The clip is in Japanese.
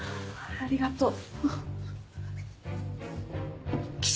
ありがとう。